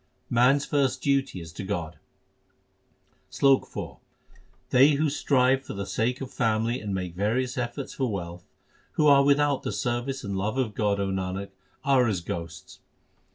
Man s first duty is to God : SLOK IV They who strive for the sake of family and make various efforts for wealth, Who are without the service and love of God, O Nanak, are as ghosts.